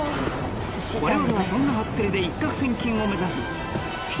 そんな初競りで一獲千金を目指す運